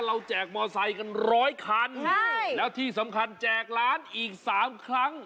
เราแจกมอเตอร์ไซส์กันร้อยคันใช่แล้วที่สำหรับแจกหลานอีกสามครั้ง